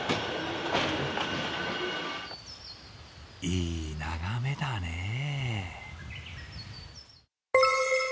いい眺めだねぇ。